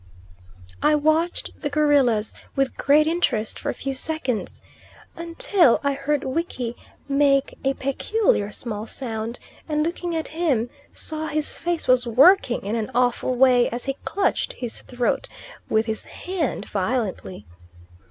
I watched the gorillas with great interest for a few seconds, until I heard Wiki make a peculiar small sound, and looking at him saw his face was working in an awful way as he clutched his throat with his hand violently.